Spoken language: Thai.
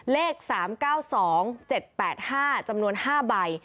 เลข๓๙๒๗๘๕จำนวน๕ใบ